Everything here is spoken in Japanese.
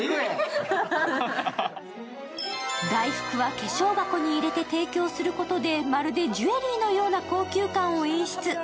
大福は化粧箱に入れて提供することでまるでジュエリーのような高級感を演出。